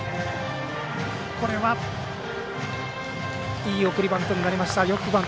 いい送りバントになりました。